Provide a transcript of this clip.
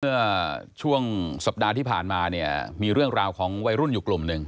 เมื่อช่วงสัปดาห์ที่ผ่านมาเนี่ยมีเรื่องราวของวัยรุ่นอยู่กลุ่มหนึ่ง